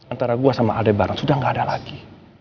antara gue sama aldebaran sudah gak ada lagi